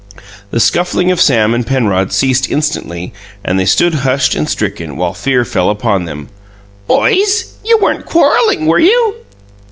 The scuffling of Sam and Penrod ceased instantly, and they stood hushed and stricken, while fear fell upon them. "Boys, you weren't quarrelling, were you?"